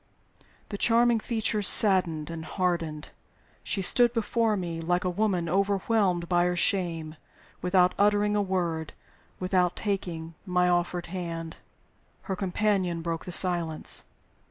The charming features saddened and hardened. She stood before me like a woman overwhelmed by shame without uttering a word, without taking my offered hand. Her companion broke the silence.